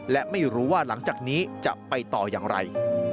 และไม่รู้ว่าหลังจากนี้จะไปต่ออย่างไร